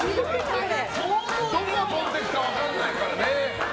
どこ飛んでいくか分からないからね。